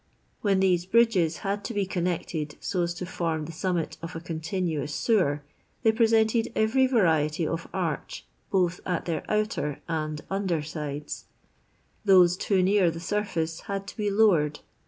When these bridges had to be connected so as to f rm the summit of a continuous sewer, they presented every variety of arch, both at their outt r and under sides ; those too near the surface had to l)e lowered.